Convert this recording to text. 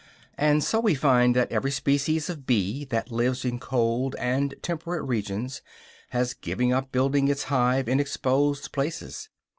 And so we find that every species of bee that lives in cold and temperate regions has given up building its hive in exposed places.